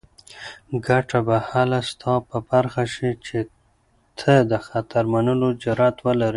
ګټه به هله ستا په برخه شي چې ته د خطر منلو جرات ولرې.